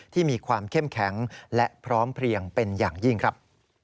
ที่มีความเข้มแข็งและพร้อมเพลียงเป็นอย่างยิ่งครับ